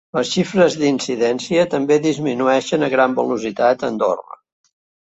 Les xifres d’incidència també disminueixen a gran velocitat a Andorra.